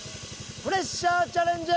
プレッシャーチャレンジ！